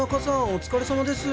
お疲れさまです